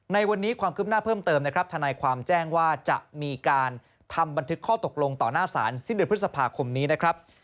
ในวันนี้ความคืบหน้าเพิ่มเติมนะครับทนายความแจ้งว่าจะมีการทำบันทึกข้อตกลงต่อหน้าศาลสิ้นเดือนพฤษภาคมนี้นะครับ